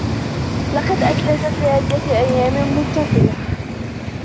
لقد اثلجت لعدة ايام متصلة.